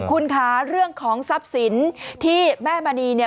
คุณค่ะเรื่องของทรัพย์สินที่แม่มณี